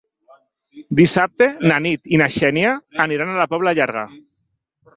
Dissabte na Nit i na Xènia aniran a la Pobla Llarga.